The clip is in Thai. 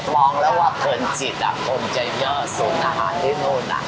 มองแล้วว่าเผินจิตอ่ะคงจะเยอะสุขอาหารที่นู้นอ่ะ